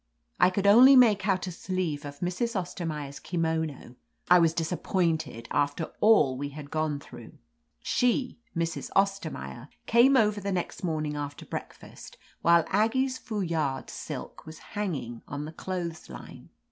I could only make out a sleeve of Mrs. Ostermaier's kimono. I was disappointed after all we had gone through. She — Mrs. Ostermaier— came over the next morning after breakfast, while Aggie's foulard silk was hanging on the clothes line.